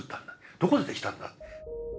どこでできたんだ？